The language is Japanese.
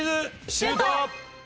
シュート！